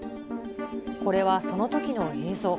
これはそのときの映像。